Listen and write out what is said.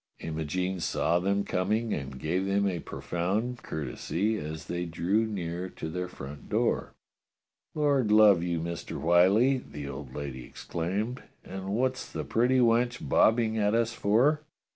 Imogene saw them coming and gave them a profound courtesy as they drew near to their front door. "Lord love you. Mister Whyllie," the old lady ex claimed, "and what's the pretty wench bobbing at us for?"